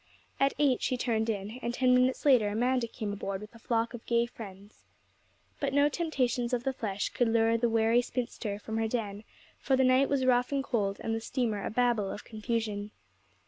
At eight she turned in, and ten minutes later Amanda came aboard with a flock of gay friends. But no temptations of the flesh could lure the wary spinster from her den; for the night was rough and cold, and the steamer a Babel of confusion.